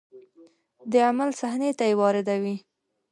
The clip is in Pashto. د عمل صحنې ته یې واردوي.